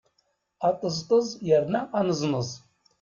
Aṭeẓṭeẓ yerna aneẓneẓ!